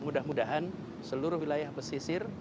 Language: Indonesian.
mudah mudahan seluruh wilayah pesisir